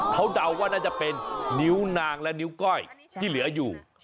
เขาเดาว่าน่าจะเป็นนิ้วนางและนิ้วก้อยที่เหลืออยู่